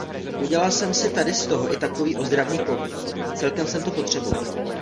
Udělal jsem si tady z toho i takový ozdravný pobyt - celkem jsem to potřeboval.